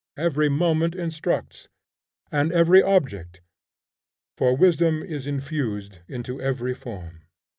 Every moment instructs, and every object: for wisdom is infused into every form.